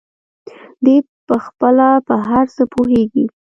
دى پخپله په هر څه پوهېږي.